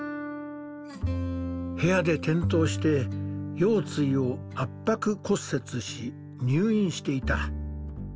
部屋で転倒して腰椎を圧迫骨折し入院していた。